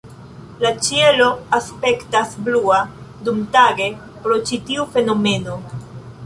La ĉielo aspektas blua dumtage pro ĉi tiu fenomeno.